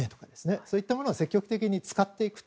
そういったものを積極的に使っていく。